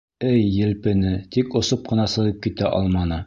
Эй, елпене, тик осоп ҡына сығып китә алманы.